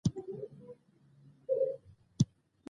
خبـــــر شومه چې نن راپســـې ښار غـــــږېده؟